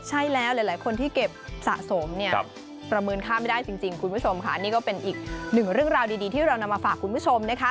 ใช่แล้วหลายคนที่เก็บสะสมเนี่ยประเมินค่าไม่ได้จริงคุณผู้ชมค่ะนี่ก็เป็นอีกหนึ่งเรื่องราวดีที่เรานำมาฝากคุณผู้ชมนะคะ